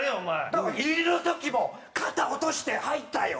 だから入りの時も肩落として入ったよ！